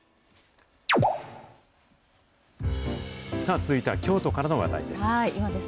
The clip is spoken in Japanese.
続いては、京都からの話題です。